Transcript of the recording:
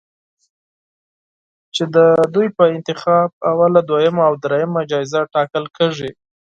چې د هغوی په انتخاب اوله، دویمه او دریمه جایزه ټاکل کېږي